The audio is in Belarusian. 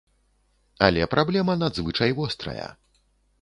Але праблема надзвычай вострая.